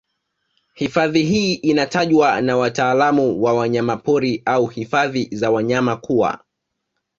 Hifadhi hii inatajwa na wataalamu wa wanyapori au hifadhi za wanyama kuwa